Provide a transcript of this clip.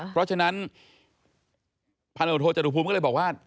เพราะฉะนั้นพันธุโทจรุภูมิก็เลยบอกว่า